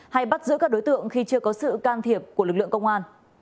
hay bắt giữ các đối tượng khi chưa có sự can thiệp của lực lượng công an